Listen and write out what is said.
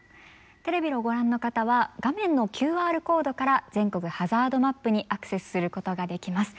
テレビをご覧の方は画面のＱＲコードから全国ハザードマップにアクセスすることができます。